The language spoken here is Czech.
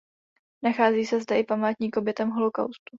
Nachází se zde i památník obětem holokaustu.